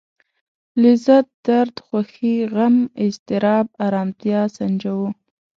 لذت درد خوښي غم اضطراب ارامتيا سنجوو.